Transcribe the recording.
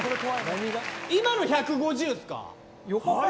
今の１５０ですか？